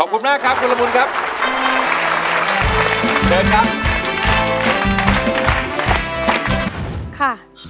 ขอบคุณมากครับคุณละมุนครับ